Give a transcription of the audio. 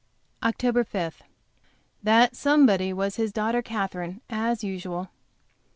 OCTOBER 5. The somebody was his daughter Katherine, as usual.